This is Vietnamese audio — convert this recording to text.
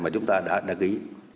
mà chúng ta đã ký